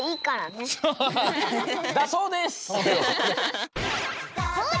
だそうです！